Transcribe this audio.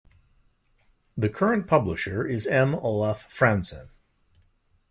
The current publisher is M. Olaf Frandsen.